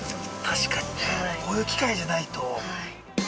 ◆確かにね、こういう機会じゃないと。